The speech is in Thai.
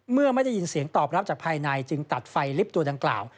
เมื่อไม่ได้ยินเสียงตอบรับจากภายในจึงตัดไฟลิฟต์ตัวดังกล่าว